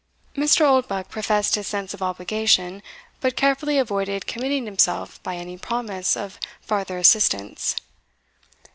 Mr. Oldbuck professed his sense of obligation, but carefully avoided committing himself by any promise of farther assistance.